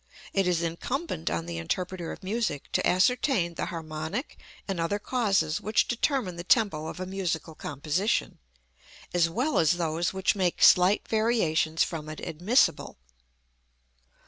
It is incumbent on the interpreter of music to ascertain the harmonic and other causes which determine the tempo of a musical composition, as well as those which make slight variations from it admissible.